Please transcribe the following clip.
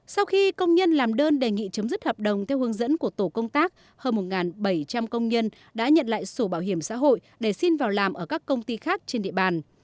sau khi công nhân làm đơn đề nghị chấm dứt hợp đồng theo hướng dẫn của tổ công tác hơn một bảy trăm linh công nhân đã nhận lại sổ bảo hiểm xã hội để xin vào làm ở các công ty khác trên địa bàn